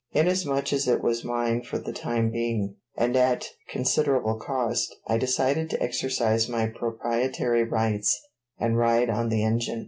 Inasmuch as it was mine for the time being, and at considerable cost, I decided to exercise my proprietary rights and ride on the engine.